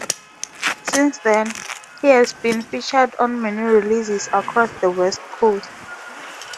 Since then, he has been featured on many releases across the West Coast.